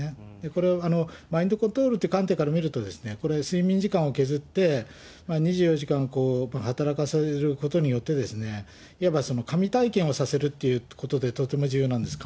これをマインドコントロールという観点から見ると、これ、睡眠時間を削って、２４時間働かされることによって、いわば神体験をさせるということでとても重要なんです。